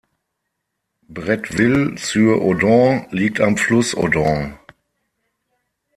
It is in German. Bretteville-sur-Odon liegt am Fluss Odon.